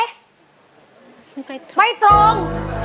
ไม่ตรง